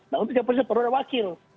nah untuk jadi presiden perlu ada wakil